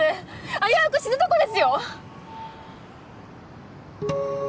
危うく死ぬとこですよ！